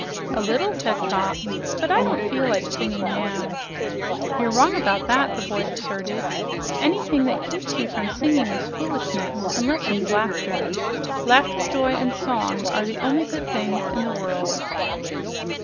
"A little," said Trot, "but I don't feel like singing now." "You're wrong about that," the boy asserted. "Anything that keeps you from singing is foolishness, unless it's laughter. Laughter, joy and song are the only good things in the world."